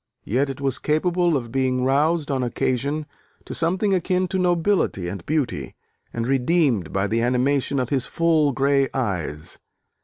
Yet it was capable of being roused, on occasion, to something akin to nobility and beauty, and redeemed by the animation of his full, grey eyes.